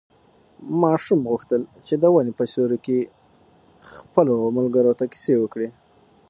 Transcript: ماشوم غوښتل چې د ونې په سیوري کې خپلو ملګرو ته کیسې وکړي.